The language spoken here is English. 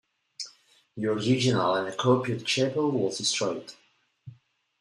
The original and unoccupied chapel was destroyed.